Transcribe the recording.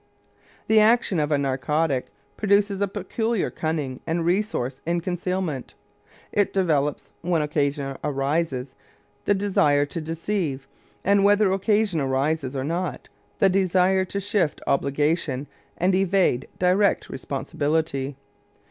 The action of a narcotic produces a peculiar cunning and resource in concealment; it develops, when occasion arises, the desire to deceive and, whether occasion arises or not, the desire to shift obligation and evade direct responsibility.